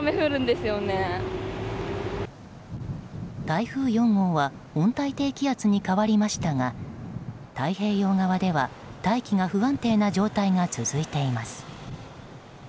台風４号は温帯低気圧に変わりましたが太平洋側では大気が不安定な状態が続いています。